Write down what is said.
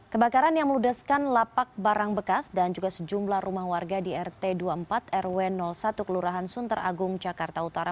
kebakaran yang meludeskan lapak barang bekas dan juga sejumlah rumah warga di rt dua puluh empat rw satu kelurahan sunter agung jakarta utara